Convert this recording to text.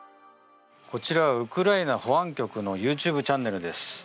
こちらウクライナ保安局のＹｏｕＴｕｂｅチャンネルです。